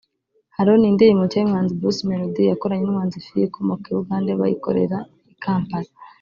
Hallo ni indirimbo nshya y’umuhanzi Bruce Melodie yakoranye n’umuhanzikazi Fille ukomoka i Bugande bayikorera i Kampala